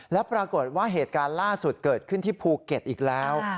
แล้วปรากฏว่าเหตุการณ์ล่าสุดเกิดขึ้นที่ภูเก็ตอีกแล้ว